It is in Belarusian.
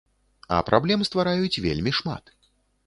А праблем ствараюць вельмі шмат.